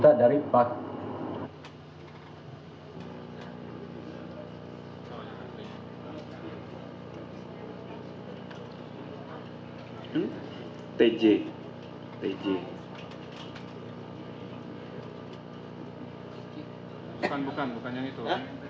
bukan bukan yang itu